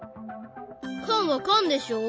缶は缶でしょ？